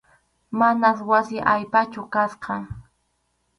Manas wasi allpachu kasqa.